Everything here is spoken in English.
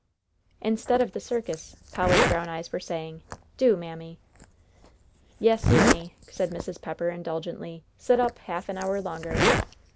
"Instead of the circus," Polly's brown eyes were saying. "Do, Mammy." "Yes, you may," said Mrs. Pepper, indulgently, "sit up half an hour longer."